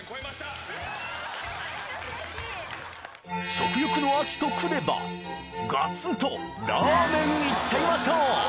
食欲の秋とくればガツンといっちゃいましょう！